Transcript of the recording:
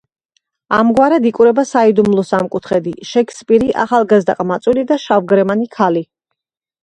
ამგვარად იკვრება საიდუმლო სამკუთხედი: შექსპირი, ახალგაზრდა ყმაწვილი და შავგვრემანი ქალი.